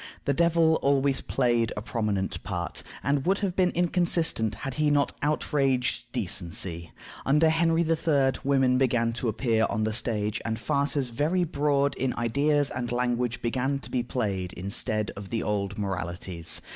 The devil always played a prominent part, and would have been inconsistent had he not outraged decency. Under Henry III. women began to appear on the stage, and farces very broad in ideas and language began to be played instead of the old Moralities.